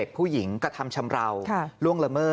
มุ่งเด็กรวมชาวหล่าน